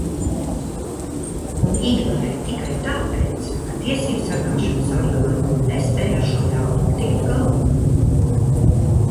Un ignorē tikai tāpēc, ka tiesībsargāšanas orgāni nespēj ar šo ļaunumu tikt galā.